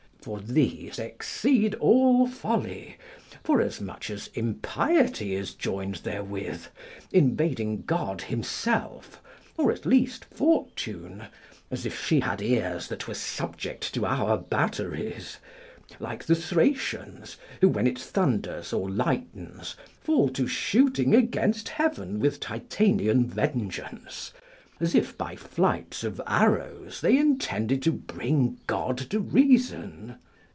for these exceed all folly, forasmuch as impiety is joined therewith, invading God Himself, or at least Fortune, as if she had ears that were subject to our batteries; like the Thracians, who when it thunders or lightens, fall to shooting against heaven with Titanian vengeance, as if by flights of arrows they intended to bring God to reason.